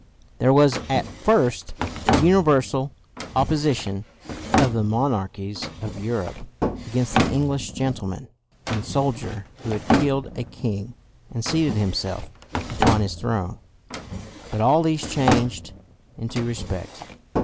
There was at first the universal opposition of the monarchies of Europe against the Eng lish gentleman and soldier who had killed a king, and seated himself upon his throne, but all this changed into respect.